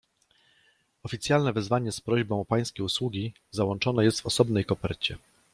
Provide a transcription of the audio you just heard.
"„Oficjalne wezwanie z prośbą o pańskie usługi załączone jest w osobnej kopercie."